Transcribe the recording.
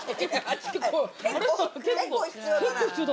結構。